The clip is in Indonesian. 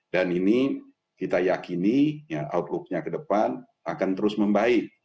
dan ini kita yakini outlook nya ke depan akan terus membaik